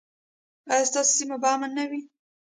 ایا ستاسو سیمه به امن نه وي؟